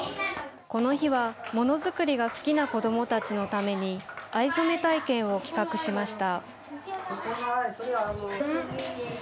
この日は、ものづくりが好きな子どもたちのために、藍染め体験を企画しました。